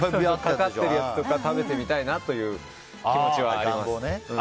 かかってるやつとか食べてみたいなというあります？